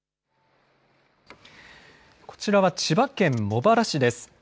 こちらは千葉県茂原市です。